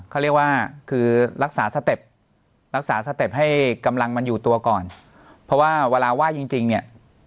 เขาเรียกว่าคือรักษาสเต็ปรักษาสเต็ปให้กำลังมันอยู่ตัวก่อนเพราะว่าเวลาไหว้จริงจริงเนี่ย